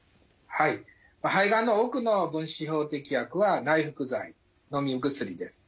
はい肺がんの多くの分子標的薬は内服剤のみ薬です。